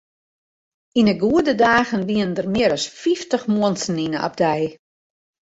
Yn de goede dagen wiene der mear as fyftich muontsen yn de abdij.